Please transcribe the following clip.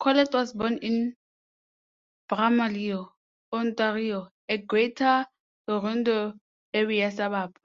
Collett was born in Bramalea, Ontario, a Greater Toronto Area suburb.